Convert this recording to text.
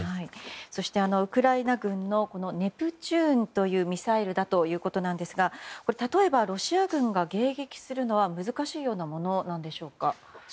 そして、ウクライナ軍のネプチューンというミサイルだということなんですが例えばロシア軍が迎撃するのは難しいようなものなんでしょうか。